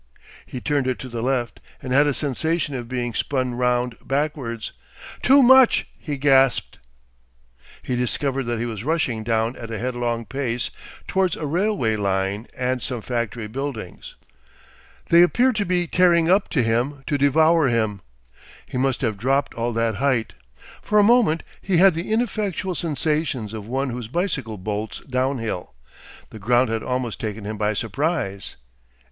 He turned it to the left and had a sensation of being spun round backwards. "Too much!" he gasped. He discovered that he was rushing down at a headlong pace towards a railway line and some factory buildings. They appeared to be tearing up to him to devour him. He must have dropped all that height. For a moment he had the ineffectual sensations of one whose bicycle bolts downhill. The ground had almost taken him by surprise.